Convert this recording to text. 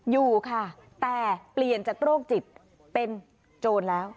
อยู่ค่ะแต่เปลี่ยนจากโรคจิตเป็นโจรแล้ว